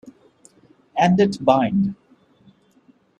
Andet Bind.